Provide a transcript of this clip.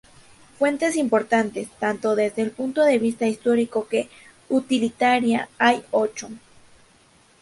Fuentes importantes, tanto desde el punto de vista histórico que utilitaria, hay ocho.